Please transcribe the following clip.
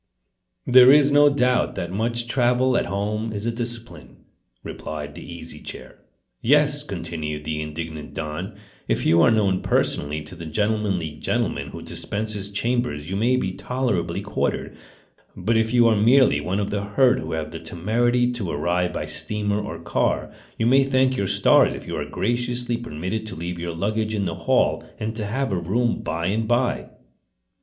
"There is no doubt that much travel at home is a discipline," replied the Easy Chair. "Yes," continued the indignant Don. "If you are known personally to the gentlemanly gentleman who dispenses chambers you may be tolerably quartered. But if you are merely one of the herd who have the temerity to arrive by steamer or car, you may thank your stars if you are graciously permitted to leave your luggage in the hall and to have a room by and by."